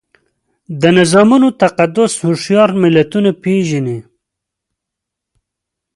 د نظامونو تقدس هوښیار ملتونه پېژني.